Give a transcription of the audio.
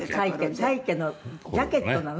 サイケのジャケットなの？